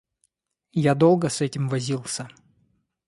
Я долго с этим возился.